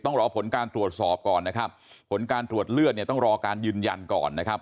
ต้องรอผลการตรวจสอบก่อนนะครับผลการตรวจเลือดเนี่ยต้องรอการยืนยันก่อนนะครับ